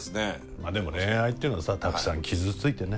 まあでも恋愛っていうのはさたくさん傷ついてね